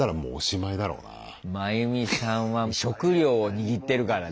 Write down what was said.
まゆみさんは食料を握ってるからね。